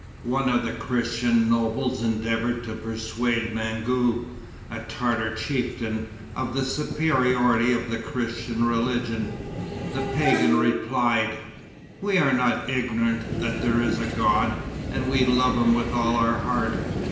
One of the Christian nobles endeavored to persuade Mangou, a Tartar chieftain, of the superiority of the Christian religion. The pagan replied; "We are not ignorant that there is a God; and we love him with all our heart.